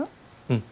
うん。